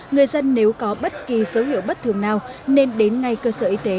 người dân nếu có bất kỳ dấu hiệu bất thường nào nên đến ngay cơ sở y tế